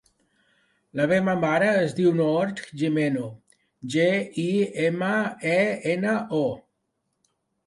La meva mare es diu Noor Gimeno: ge, i, ema, e, ena, o.